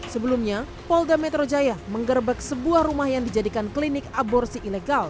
sebelumnya polda metro jaya menggerbek sebuah rumah yang dijadikan klinik aborsi ilegal